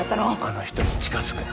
あの人に近づくな。